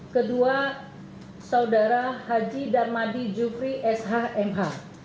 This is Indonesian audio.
kedua saudara haji darmadi jufri shmh